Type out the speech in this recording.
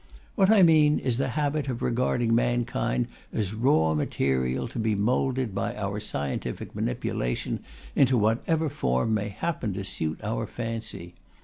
What I mean is the habit of regarding mankind as raw material, to be moulded by our scientific manipulation into whatever form may happen to suit our fancy.